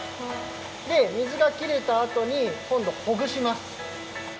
で水がきれたあとにこんどほぐします。